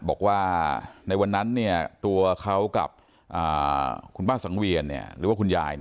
บอกว่าในวันนั้นตัวเขากับคุณป้าสังเวียนหรือว่าคุณยาย